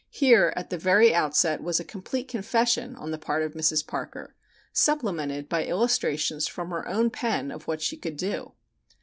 Here at the very outset was a complete confession on the part of Mrs. Parker, supplemented by illustrations from her own pen of what she could do.